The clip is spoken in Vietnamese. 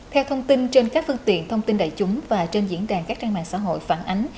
theo thông tin trên các phương tiện thông tin đại chúng và trên diễn đàn các trang mạng xã hội phản ánh